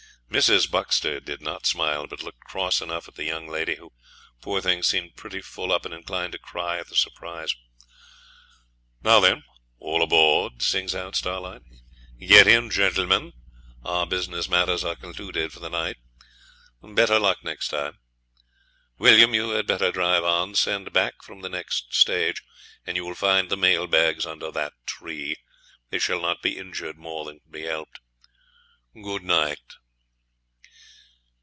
Mrs. Buxter did not smile, but looked cross enough at the young lady, who, poor thing, seemed pretty full up and inclined to cry at the surprise. 'Now then, all aboard,' sings out Starlight; 'get in, gentlemen, our business matters are concluded for the night. Better luck next time. William, you had better drive on. Send back from the next stage, and you will find the mail bags under that tree. They shall not be injured more than can be helped. Good night!'